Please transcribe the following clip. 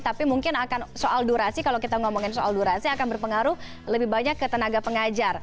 tapi mungkin akan soal durasi kalau kita ngomongin soal durasi akan berpengaruh lebih banyak ke tenaga pengajar